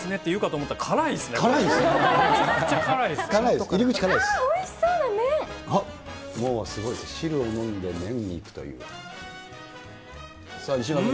もうすごい、汁を飲んで、麺に行くという。